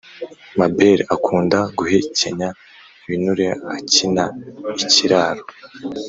mabel akunda guhekenya ibinure akina ikiraro